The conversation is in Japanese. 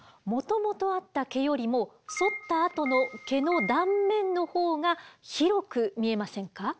もともとあった毛よりもそったあとの毛の断面の方が広く見えませんか？